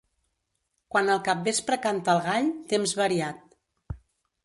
Quan al capvespre canta el gall, temps variat.